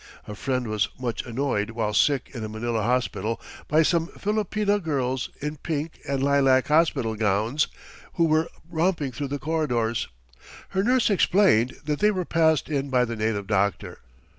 A friend was much annoyed while sick in a Manila hospital by some Filipina girls in pink and lilac hospital gowns who were romping through the corridors. Her nurse explained that they were passed in by the native doctor.